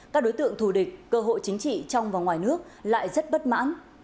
các đối tượng thù địch cơ hội chính trị trong và ngoài nước lại rất bất mãn